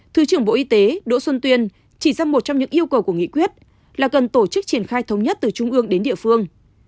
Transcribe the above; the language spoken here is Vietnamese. thứ trưởng bộ y tế đỗ xuân tuyên chỉ ra một trong những yêu cầu của nghị quyết là cần tổ chức triển khai thống nhất từ trung ương đến địa phương